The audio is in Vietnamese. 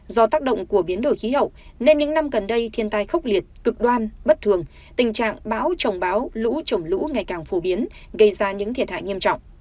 do tác động của biến đổi khí hậu nên những năm gần đây thiên tai khốc liệt cực đoan bất thường tình trạng bão trồng bão lũ trồng lũ ngày càng phổ biến gây ra những thiệt hại nghiêm trọng